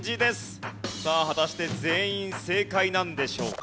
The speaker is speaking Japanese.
さあ果たして全員正解なんでしょうか？